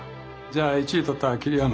じゃあ１位取った桐山。